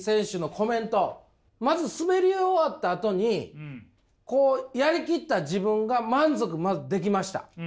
まず滑り終わったあとに「やり切った自分が満足できました。